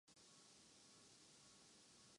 یہ رہنی تو چاہیے۔